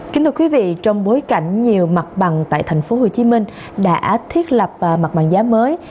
kính thưa quý vị trong bối cảnh nhiều mặt bằng tại thành phố hồ chí minh đã thiết lập mặt bằng giá mới